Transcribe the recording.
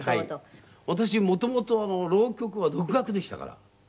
私元々浪曲は独学でしたから。